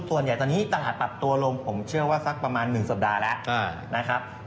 ส่วนใหญ่ตลาดปรับตัวลงผมเชื่อว่าสักประมาณ๑สัปดาห์แล้ว